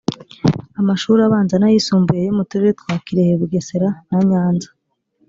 amashuri abanza n ayisumbuye yo mu turere twa kirehe bugesera na nyanza